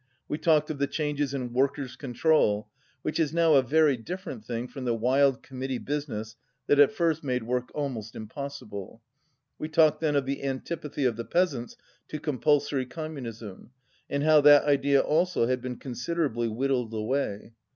We talked of the changes in "workers' control," which is now a very different thing from the wild committee busi ness that at first made work almost impossible. We talked then of the antipathy of the peasants to compulsory communism, and how that idea also had been considerably whittled away.